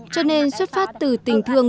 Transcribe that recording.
cho nên xuất phát từ tình thương